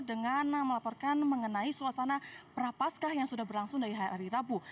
dengan melaporkan mengenai suasana prapaskah yang sudah berlangsung dari hari rabu